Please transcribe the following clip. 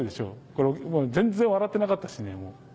これ全然笑ってなかったしね。